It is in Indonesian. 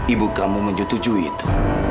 ibu kamu menyetujui itu